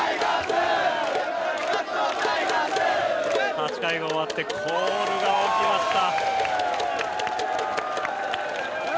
８回が終わってコールが起きました。